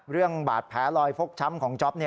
เรื่องบาดแผลลอยฟกช้ำของจ๊อป